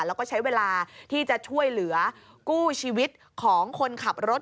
แล้วก็ใช้เวลาที่จะช่วยเหลือกู้ชีวิตของคนขับรถ